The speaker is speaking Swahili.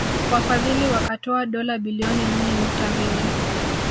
Wafadhili wakatoa dola bilioni nne nukta mbili